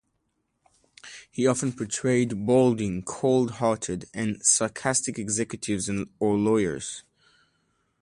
He often portrayed balding, cold-hearted, and sarcastic executives or lawyers.